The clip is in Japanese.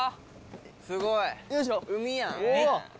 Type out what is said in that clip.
すごい。